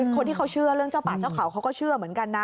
คนที่เขาเชื่อเรื่องเจ้าป่าเจ้าเขาเขาก็เชื่อเหมือนกันนะ